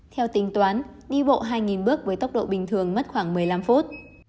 theo tính toán đi bộ hai bước với tốc độ bình thường mất khoảng một mươi năm phút